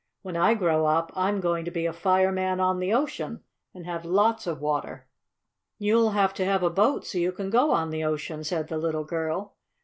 When I grow up I'm going to be a fireman on the ocean, and have lots of water." "You'll have to have a boat so you can go on the ocean," said the little girl.